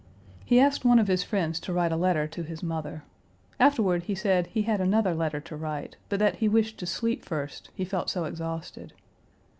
He asked one of his friends to write a letter to his mother. Afterward he said he had another letter to write, but that he wished to sleep first, he felt so exhausted.